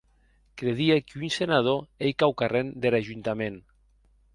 Credie qu’un senador ei quauquarren der Ajuntament.